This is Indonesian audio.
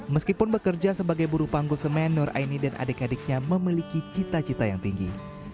meskipun bekerja sebagai buru panggul semen nur aini dan adik adiknya memiliki cita cita yang tinggi